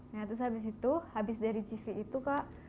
nah terus habis itu habis dari cv itu kak